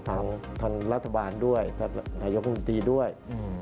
ทางทางรัฐบาลด้วยทักยกกรุงตีด้วยอืม